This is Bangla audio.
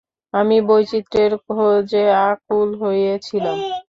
আমি বৈচিত্র্যের খোঁজে আকুল হয়েছিলাম।